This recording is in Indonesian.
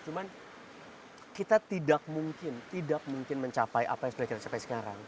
cuman kita tidak mungkin tidak mungkin mencapai apa yang sudah kita capai sekarang